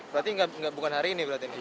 berarti bukan hari ini berarti